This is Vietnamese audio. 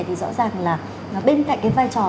thì rõ ràng là bên cạnh cái vai trò